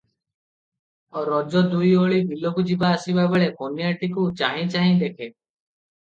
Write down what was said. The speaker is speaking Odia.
ରୋଜ ଦୁଇଓଳି ବିଲକୁ ଯିବା ଆସିବା ବେଳେ କନ୍ୟାଟିକୁ ଚାହିଁ ଚାହିଁ ଦେଖେ ।